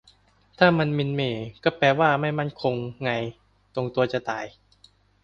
ถ้ามัน หมิ่นเหม่ ก็แปลว่า ไม่มั่นคง ไง ตรงตัวจะตาย